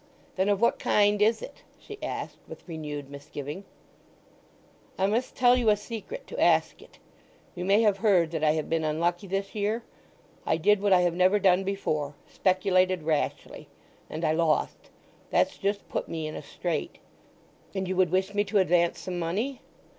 "Then of what kind is it?" she asked with renewed misgiving. "I must tell you a secret to ask it.—You may have heard that I have been unlucky this year? I did what I have never done before—speculated rashly; and I lost. That's just put me in a strait. "And you would wish me to advance some money?"